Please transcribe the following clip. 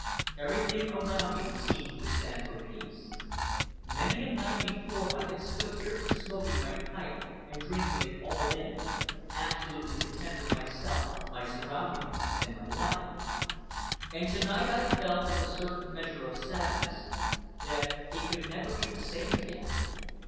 Everything around me seemed to stand for peace. Many a night before I had stood here, smoking my pipe and drinking it all in absolutely content with myself, my surroundings, and my life. And to night I felt, with a certain measure of sadness, that it could never be the same again.